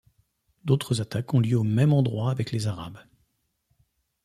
D'autres attaques ont lieu au même endroit avec les arabes.